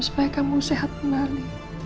supaya kamu sehat kembali